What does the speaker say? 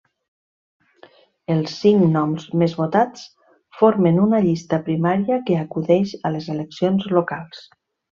Els cinc noms més votats formen una llista primària que acudeix a les eleccions locals.